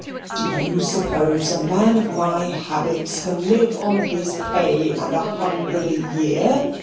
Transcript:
"Do you suppose a man of my habits can live on his pay and a hundred a year?"